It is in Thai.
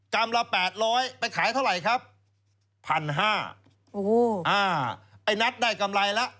ลำละแปดร้อยไปขายเท่าไหร่ครับพันห้าโอ้โหอ่าไอ้นัทได้กำไรแล้ว